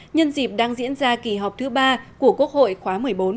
nhân dịp đang diễn ra kỳ họp thứ ba của quốc hội khóa một mươi bốn